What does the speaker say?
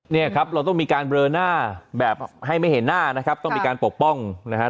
เนี่ยครับเราต้องมีการเบลอหน้าแบบให้ไม่เห็นหน้านะครับต้องมีการปกป้องนะครับ